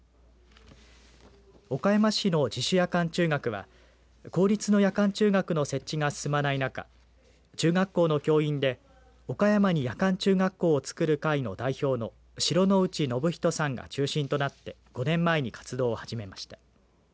岡山市の自主夜間中学は公立の夜間中学の設置が進まない中中学校の教員で岡山に夜間中学をつくる会の代表の城之内庸仁さんが中心となって５年前に活動を始めました。